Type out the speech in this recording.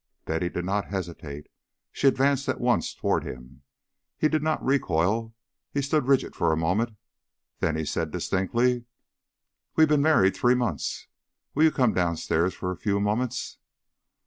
Betty did not hesitate. She advanced at once toward him. He did not recoil, he stood rigid for a moment. Then he said distinctly, "We have been married three months. Will you come downstairs for a few moments?"